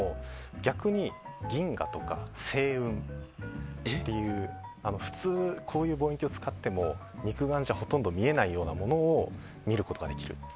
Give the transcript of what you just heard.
逆に銀河とか星雲という普通、こういう望遠鏡使っても肉眼じゃほとんど見えないようなものを見ることができると。